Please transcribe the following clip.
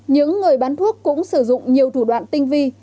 những người bán thuốc cũng sử dụng nhiều thủ đoạn tinh vi